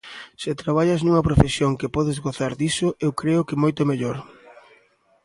Se traballas nunha profesión que podes gozar diso, eu creo que moito mellor.